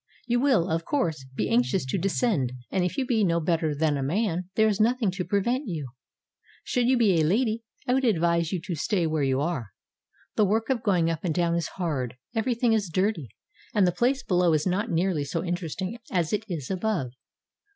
You . will, of course, be anxious to descend, and if you be no better than a man there is nothing to prevent you. Should you be a lady I would advise you to stay where you are. The work of going up and down is hard, every thing is dirty, and the place below is not nearly so in teresting as it is above.